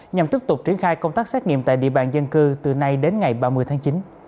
nhằm tiếp tục triển khai công tác xét nghiệm tại địa bàn dân cư từ nay đến ngày ba mươi tháng chín